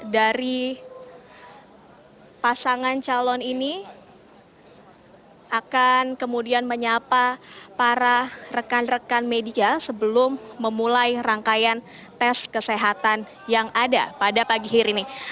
dari pasangan calon ini akan kemudian menyapa para rekan rekan media sebelum memulai rangkaian tes kesehatan yang ada pada pagi hari ini